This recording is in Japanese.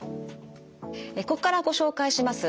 ここからご紹介します